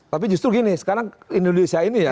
tapi justru gini sekarang indonesia ini ya